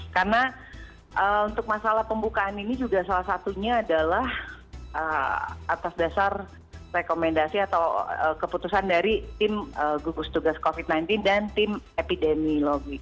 karena untuk masalah pembukaan ini juga salah satunya adalah atas dasar rekomendasi atau keputusan dari tim gugus tugas covid sembilan belas dan tim epidemiologi